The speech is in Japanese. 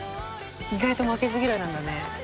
「意外と負けず嫌いなんだね」